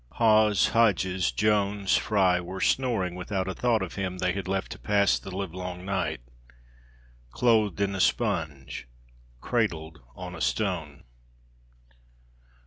Hawes, Hodges, Jones, Fry, were snoring without a thought of him they had left to pass the live long night, clothed in a sponge, cradled on a stone.